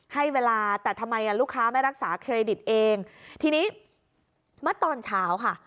ให้เวลาแต่ทำไมอ่ะลูกค้าไม่รักษาเครดิตเองทีนี้เมื่อตอนเช้าค่ะ